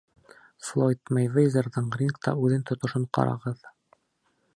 Флойд Мейвезерҙың рингта үҙен тотошон ҡарағыҙ.